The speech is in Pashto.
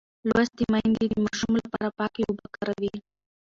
لوستې میندې د ماشوم لپاره پاکې اوبه کاروي.